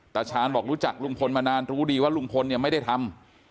ตาชาญบอกรู้จักลุงพลมานานรู้ดีว่าลุงพลเนี่ยไม่ได้ทำ